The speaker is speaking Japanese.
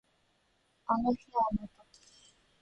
あの日あの時